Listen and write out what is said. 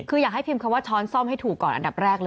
คืออยากให้พิมพ์คำว่าช้อนซ่อมให้ถูกก่อนอันดับแรกเลย